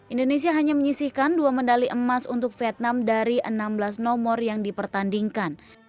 indonesia hanya menyisihkan dua medali emas untuk vietnam dari enam belas nomor yang dipertandingkan